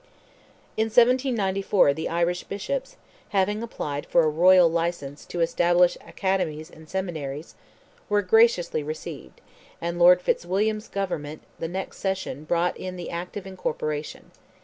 In 1794, the Irish Bishops, having applied for a "royal license" to establish academies and seminaries, were graciously received, and Lord Fitzwilliam's government the next session brought in the Act of Incorporation.